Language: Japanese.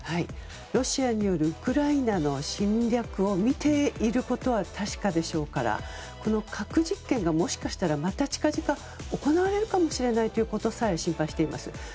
ロシアによるウクライナの侵略を見ていることは確かでしょうからこの核実験がもしかしたらまた近々行われるかもしれないということさえ心配しています。